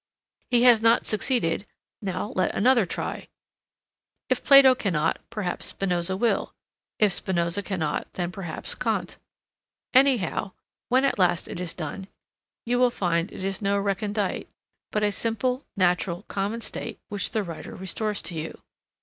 He has not succeeded; now let another try. If Plato cannot, perhaps Spinoza will. If Spinoza cannot, then perhaps Kant. Anyhow, when at last it is done, you will find it is no recondite, but a simple, natural, common state which the writer restores to you.